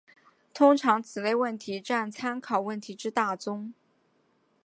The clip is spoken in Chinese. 通常此类问题占参考问题之大宗。